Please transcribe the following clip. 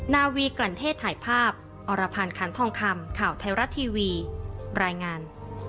นาวีกลั่นเทศถ่ายภาพอรพันธ์ขันทองคำข่าวไทยรัฐทีวีรายงาน